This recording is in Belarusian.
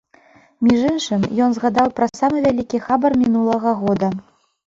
Між іншым, ён згадаў пра самы вялікі хабар мінулага года.